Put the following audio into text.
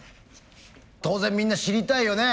当然みんな知りたいよね。